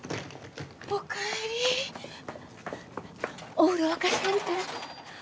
お風呂沸かしてあるから。